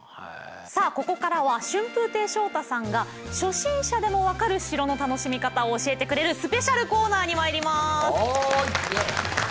さあここからは春風亭昇太さんが初心者でも分かる城の楽しみ方を教えてくれるスペシャルコーナーに参ります。